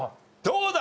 どうだ？